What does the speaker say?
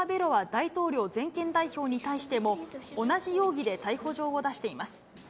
大統領全権代表に対しても、同じ容疑で逮捕状を出しています。